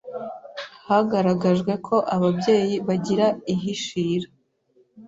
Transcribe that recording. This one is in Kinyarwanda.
hagaragajwe ko ababyeyi bagira ihishira